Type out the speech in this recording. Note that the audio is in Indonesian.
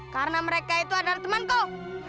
karena mereka itu adalah temanku